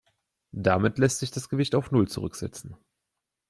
Damit lässt sich das Gewicht auf null zurücksetzen.